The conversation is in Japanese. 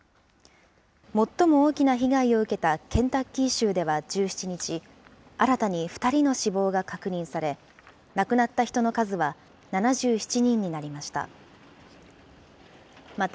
最も大きな被害を受けたケンタッキー州では１７日、新たに２人の死亡が確認され、亡くなった人の数は７７人になりました。